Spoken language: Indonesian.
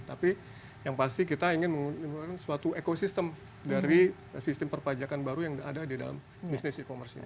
tapi yang pasti kita ingin mengembangkan suatu ekosistem dari sistem perpajakan baru yang ada di dalam bisnis e commerce ini